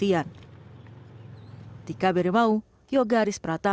hingga kini bantuan logistik seperti air mineral dan berat dibutuhkan bagi warga di posko penghubungan